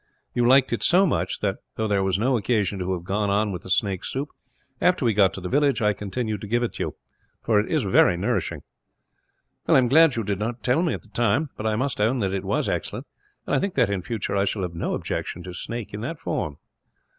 You liked it so much that, though there was no occasion to have gone on with snake soup, after we got to the village, I continued to give it to you; for it is very nourishing." "Well, I am glad you did not tell me, at the time; but I must own that it was excellent, and I think that, in future, I shall have no objection to snake in that form."